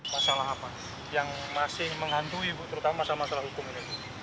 masalah apa yang masih menghantui bu terutama masalah hukum ini